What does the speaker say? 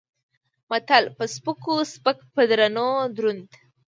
متل: په سپکو سپک په درونو دروند.